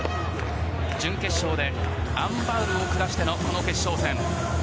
準決勝でアン・バウルを下してのこの決勝戦。